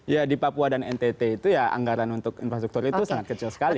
ya di papua dan ntt itu ya anggaran untuk infrastruktur itu sangat kecil sekali